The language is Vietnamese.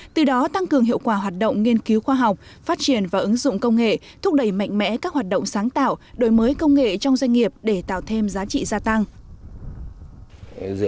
từ đó tăng cường hiệu quả hoạt động nghiên cứu khoa học phát triển và ứng dụng công nghệ thúc đẩy mạnh mẽ các hoạt động sáng tạo đổi mới công nghệ trong doanh nghiệp để tạo thêm giá trị gia tăng